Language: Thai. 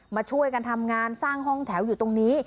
มาช่วยกันทำงานสร้างห้องแถวอยู่ตรงนี้